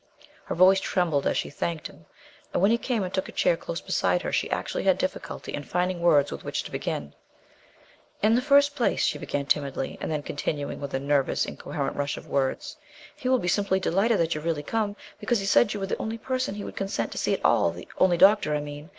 Her voice trembled as she thanked him, and when he came and took a chair close beside her she actually had difficulty in finding words with which to begin. "In the first place," she began timidly, and then continuing with a nervous incoherent rush of words, "he will be simply delighted that you've really come, because he said you were the only person he would consent to see at all the only doctor, I mean.